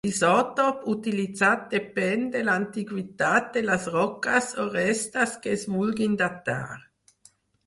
L'isòtop utilitzat depèn de l'antiguitat de les roques o restes que es vulguin datar.